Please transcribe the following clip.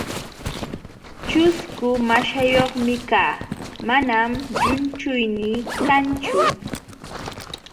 ćhusku maśhayuqmi kaa, manam llunchuynii kanchu.